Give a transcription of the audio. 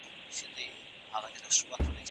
نو زه د هغوی د نومونو له ذکرولو څخه ډډه کوم.